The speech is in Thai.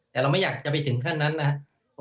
แต่เราไม่อยากจะไปถึงขั้นนั้นนะครับ